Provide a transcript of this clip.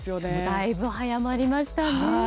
だいぶ早まりましたね。